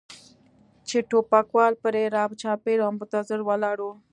چې ټوپکوال پرې را چاپېر و منتظر ولاړ و.